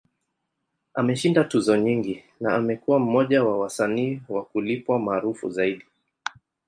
Ameshinda tuzo nyingi, na amekuwa mmoja wa wasanii wa kulipwa maarufu zaidi.